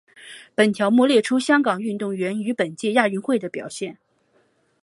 本条目列出香港运动员于本届亚运会的表现。